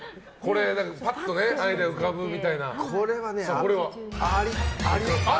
パッとアイデアが浮かぶみたいな。